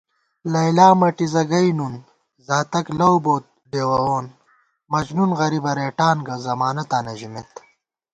لیلی مَٹِزہ گَئ نُن، زاتَک لَو بوت ڈېوَوون * مجنُون غریبہ رېٹان گہ، ضمانَتاں نہ ژِمېت